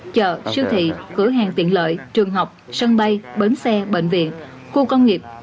chợ siêu thị cửa hàng tiện lợi trường học sân bay bến xe bệnh viện khu công nghiệp